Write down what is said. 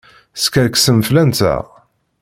Teskerksem fell-anteɣ!